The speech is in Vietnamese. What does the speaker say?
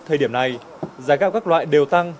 thời điểm này giá gạo các loại đều tăng